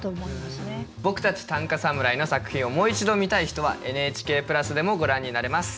僕たち「短歌侍」の作品をもう一度見たい人はＮＨＫプラスでもご覧になれます。